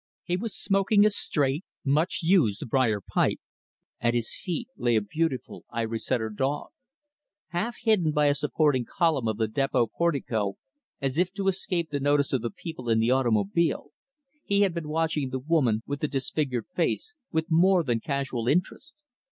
He was smoking a straight, much used brier pipe. At his feet, lay a beautiful Irish Setter dog. Half hidden by a supporting column of the depot portico as if to escape the notice of the people in the automobile he had been watching the woman with the disfigured face, with more than casual interest.